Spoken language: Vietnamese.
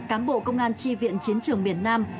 cán bộ công an chi viện chiến trường miền nam